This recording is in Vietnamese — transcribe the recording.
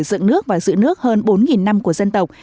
dựng nước và giữ nước hơn bốn năm của dân tộc